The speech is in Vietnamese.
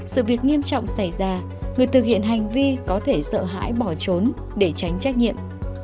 sự việc nghiêm trọng xảy ra người thực hiện hành vi có thể sợ hãi bỏ trốn để tránh trách nhiệm